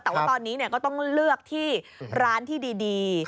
แต่ว่าตอนนี้ก็ต้องเลือกที่ร้านที่ดี